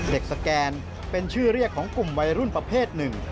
สแกนเป็นชื่อเรียกของกลุ่มวัยรุ่นประเภทหนึ่ง